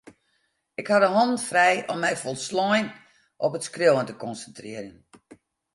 Ik ha de hannen frij om my folslein op it skriuwen te konsintrearjen.